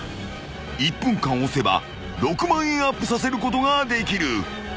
［１分間押せば６万円アップさせることができる］